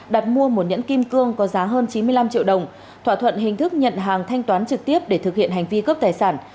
đặt mua một nhẫn kim cương có giá hơn chín mươi năm triệu đồng thỏa thuận hình thức nhận hàng thanh toán trực tiếp để thực hiện hành vi cướp tài sản